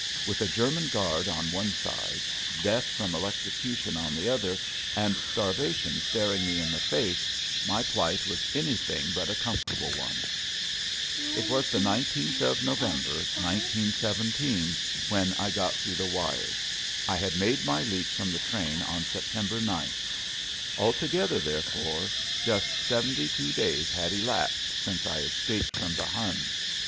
With a German guard on one side, death from electrocution on the other, and starvation staring me in the face, my plight was anything but a comfortable one. It was the 19th of November, 1917, when I got through the wires. I had made my leap from the train on September 9th. Altogether, therefore, just seventy two days had elapsed since I escaped from the Huns.